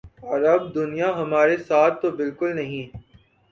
عرب دنیا ہمارے ساتھ تو بالکل نہیں۔